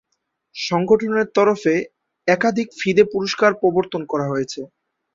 সংগঠনের তরফে একাধিক ফিদে পুরস্কার প্রবর্তন করা হয়েছে।